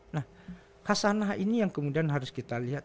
nah hasanah ini yang kemudian harus kita lihat